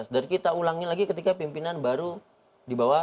dan kita ulangi lagi ketika pimpinan baru di bawah